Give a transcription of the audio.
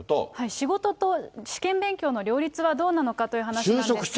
仕事と試験勉強の両立がどうなのかという話なんですが。